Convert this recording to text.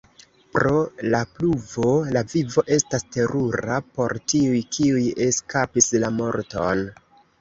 Pro la pluvo, la vivo estas terura por tiuj kiuj eskapis la morton.